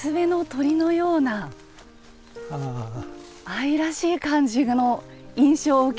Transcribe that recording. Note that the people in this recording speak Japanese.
愛らしい感じの印象を受けます。